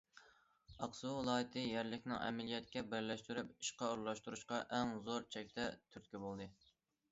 ئاقسۇ ۋىلايىتى يەرلىكنىڭ ئەمەلىيىتىگە بىرلەشتۈرۈپ، ئىشقا ئورۇنلاشتۇرۇشقا ئەڭ زور چەكتە تۈرتكە بولدى.